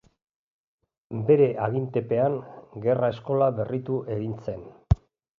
Bere agintepean, gerra eskola berritu egin zen.